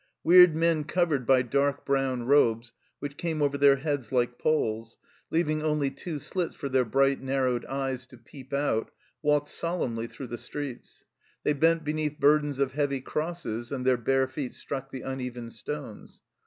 Weird men covered by dark brown robes which came over their heads like palls, leaving only two slits for their bright narrowed eyes to peep out, walked solemnly through the streets ; they bent beneath burdens of heavy crosses, and their bare feet struck the uneven stones.